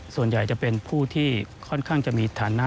ส่วนใหญ่จะเป็นผู้ที่ค่อนข้างจะมีฐานะ